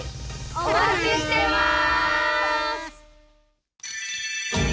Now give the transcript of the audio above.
おまちしてます！